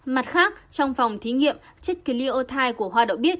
mặt khác trong phòng thí nghiệm chất kiliothai của hoa đậu biếc